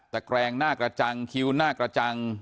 แกรงหน้ากระจังคิ้วหน้ากระจัง